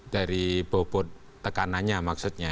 dari bobot tekanannya maksudnya